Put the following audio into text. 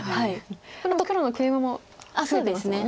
黒のケイマも増えてますもんね。